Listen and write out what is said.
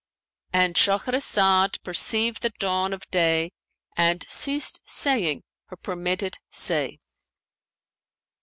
"—And Shahrazad perceived the dawn of day and ceased saying her permitted say.